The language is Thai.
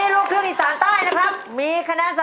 โลกเครื่องอีสานใต้เป็นฝ่ายชนะ